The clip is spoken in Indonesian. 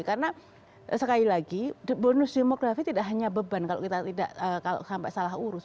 karena sekali lagi bonus demografi tidak hanya beban kalau kita tidak sampai salah urus